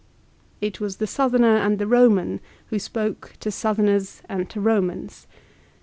It was the Southerner and the Eoman who spoke to Southerners and to Romans.